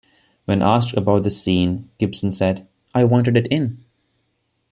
When asked about this scene, Gibson said: I wanted it in.